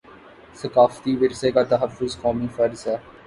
ثقافتی ورثے کا تحفظ قومی فرض ہے